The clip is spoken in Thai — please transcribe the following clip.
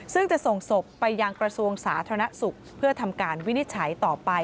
ซึ่งจะส่งศพไปยังกระทรวงสาธารณสุขเพื่อทำการวินิจฉัยต่อไป